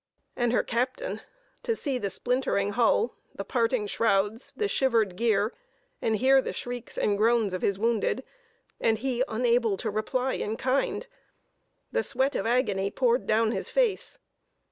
And her captain! To see the splintering hull, the parting shrouds, the shivered gear, and hear the shrieks and groans of his wounded; and he unable to reply in kind! The sweat of agony poured down his face.